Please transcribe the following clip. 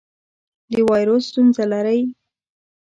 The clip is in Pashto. د وایرس ستونزه لرئ؟